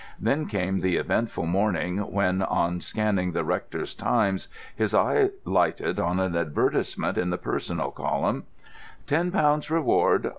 Then came the eventful morning when, on scanning the rector's Times, his eye lighted on an advertisement in the Personal Column: "Ten Pounds Reward.